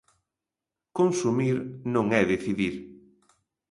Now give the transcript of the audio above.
Consumir non é decidir.